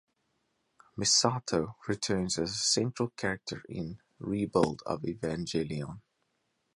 Misato returns as a central character in "Rebuild of Evangelion".